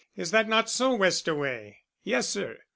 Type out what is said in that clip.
Is that not so, Westaway?" "Yes, sir.